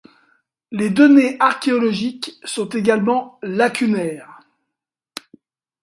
Les données archéologiques sont également lacunaires.